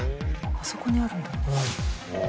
あそこにあるんだ。